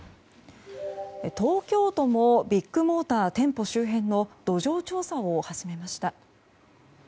東京都もビッグモーター周辺の土壌調査を始めました。